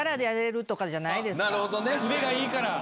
腕がいいから。